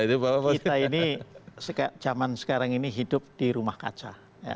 kita ini zaman sekarang ini hidup di rumah kaca